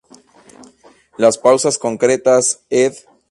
Las pausas concretas, Ed.